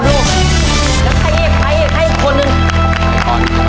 ไปเร็วหน้า